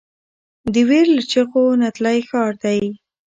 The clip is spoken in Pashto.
د ویر له چیغو نتلی ښار دی